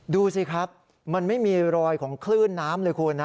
ดูสิครับมันไม่มีรอยของคลื่นน้ำเลยคุณนะ